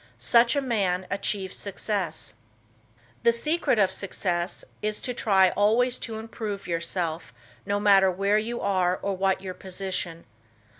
Such a man achieves success. The secret of success is to try always to improve yourself no matter where you are or what your position.